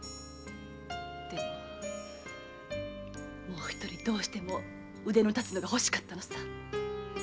でももうひとりどうしても腕のたつのが欲しかったのさ。